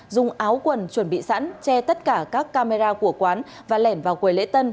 dùng áo quần chuẩn bị sẵn che tất cả các camera của quán và lẻn vào quầy lễ tân